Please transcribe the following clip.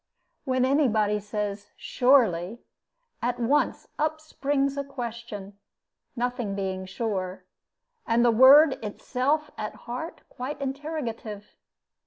When any body says "surely," at once up springs a question; nothing being sure, and the word itself at heart quite interrogative.